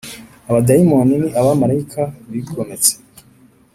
Abadayimoni ni abamarayika bigometse